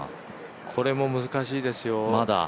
これも難しいですよ。